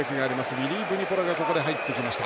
ビリー・ブニポラがここで入ってきました。